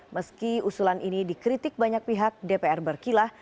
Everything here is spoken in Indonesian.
meski usulan ini dikritik banyak pihak dpr berkilah